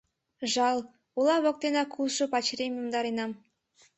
Жал, ола воктенак улшо пачерем йомдаренам.